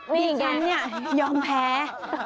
พี่ฉันนี่ยอมแพ้